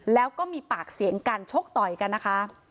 แล้วก็มีปากเสียงกันชกต่อยกันนะคะ